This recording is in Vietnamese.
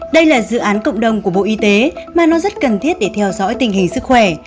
đây là dự án cộng đồng của bộ y tế mà nó rất cần thiết để theo dõi tình hình sức khỏe